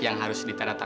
yang harus ditarahkan